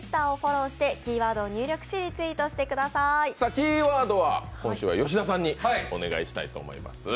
キーワードは今週は吉田さんにお願いしたいと思います。